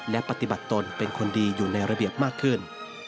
และปฏิบัติตนเป็นคนดีอยู่ในระเบียบมากขึ้น